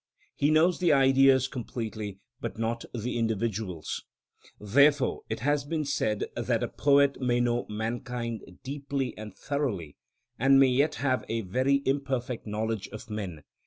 He knows the Ideas completely but not the individuals. Therefore it has been said that a poet may know mankind deeply and thoroughly, and may yet have a very imperfect knowledge of men.